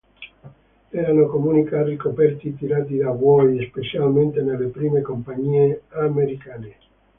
Erano comuni carri coperti tirati da buoi, specialmente nelle prime compagnie americane.